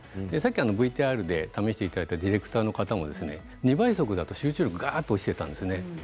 ＶＴＲで試していただいたディレクターの方も２倍速だと集中力が落ちていたんですね。